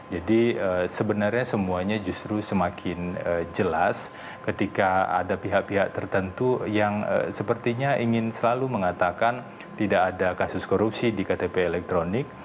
jadi sebenarnya semuanya justru semakin jelas ketika ada pihak pihak tertentu yang sepertinya ingin selalu mengatakan tidak ada kasus korupsi di ktp elektronik